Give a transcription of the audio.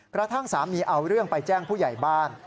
กระทั่งสามีเอาเรื่องไปแจ้งผู้ใหญ่บ้าน